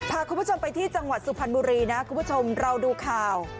พาคุณผู้ชมไปที่จังหวัดสุพรรณบุรีนะคุณผู้ชมเราดูข่าว